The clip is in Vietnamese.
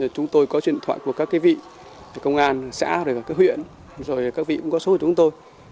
chúng tôi có truyền thoại của các vị công an xã các huyện rồi các vị cũng có số của chúng tôi